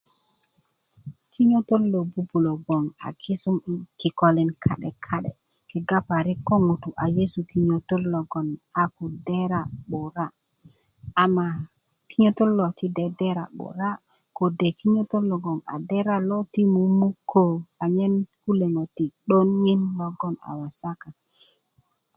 kinyotot bubulö gbong akisum i kikolin ka'deka'de kega parik ko ŋutu' a nyesu kinyotot logon a ko dera 'bura ma kinyotot lo 'bura kode kinyotot logon dera lo ti mumukö anyen kuleŋo ti 'don 'yin logon a wasaka